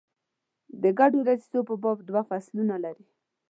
د ګډو دسیسو په باب دوه فصلونه لري.